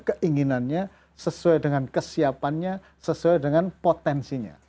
keinginannya sesuai dengan kesiapannya sesuai dengan potensinya